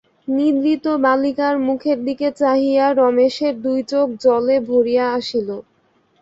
নিদ্রিত বালিকার মুখের দিকে চাহিয়া রমেশের দুই চোখ জলে ভরিয়া আসিল।